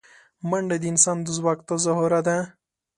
منډه د انسان د ځواک تظاهره ده